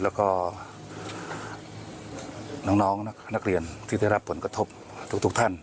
แล้วก็น้องนักเรียนที่ได้รับผลกระทบทุกท่าน